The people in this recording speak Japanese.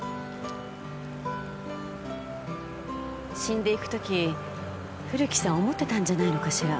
死んでいくとき古木さん思ってたんじゃないのかしら。